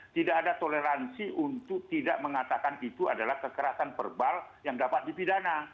tidak ada toleransi untuk tidak mengatakan itu adalah kekerasan verbal yang dapat dipidana